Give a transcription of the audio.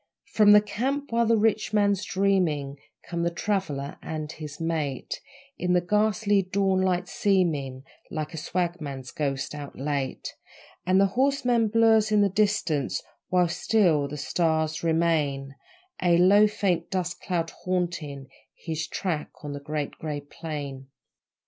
From the camp, while the rich man's dreaming, Come the 'traveller' and his mate, In the ghastly dawnlight seeming Like a swagman's ghost out late; And the horseman blurs in the distance, While still the stars remain, A low, faint dust cloud haunting His track on the Great Grey Plain.